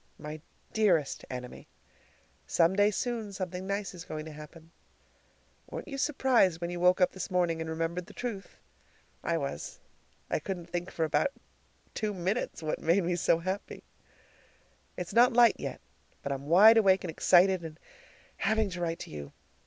My dearest Enemy: "Some day soon something nice is going to happen." Weren't you surprised when you woke up this morning and remembered the truth? I was! I couldn't think for about two minutes what made me so happy. It's not light yet, but I'm wide awake and excited and having to write to you.